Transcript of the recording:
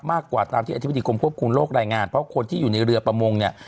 ตามที่อธิบดีกรมควบคุมโรครายงานเพราะคนที่อยู่ในเรือประมงเนี่ย